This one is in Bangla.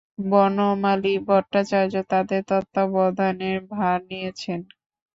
বনমালী ভট্টাচার্য তাঁদের তত্ত্বাবধানের ভার নিয়েছেন।